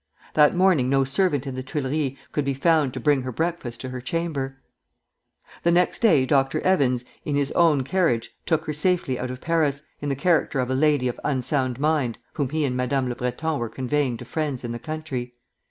That morning no servant in the Tuileries could be found to bring her breakfast to her chamber. The next day Dr. Evans, in his own carriage, took her safely out of Paris, in the character of a lady of unsound mind whom he and Madame le Breton were conveying to friends in the country.